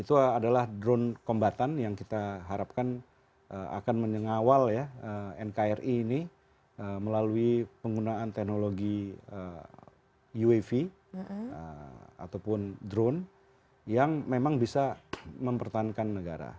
itu adalah drone kombatan yang kita harapkan akan menyengawal ya nkri ini melalui penggunaan teknologi uav ataupun drone yang memang bisa mempertahankan negara